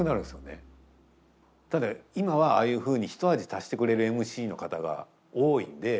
ただ今はああいうふうに一味足してくれるＭＣの方が多いんで。